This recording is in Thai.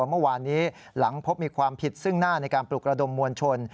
เมื่อวานนี้หลังพบมีความผิดซึ่งหน้าในการปลุกระดมมวลชน